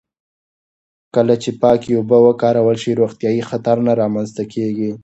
کله چې پاکې اوبه وکارول شي، روغتیايي خطر نه رامنځته کېږي.